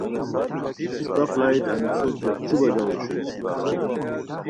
اسپہ فلائٹ انوسو جوش جو بجا اوشوئے۔